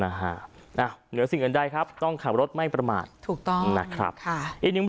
นะฮะอ่าเหลือสิ่งอันใดครับต้องขับรถไม่ประมาณถูกต้องนะครับค่ะ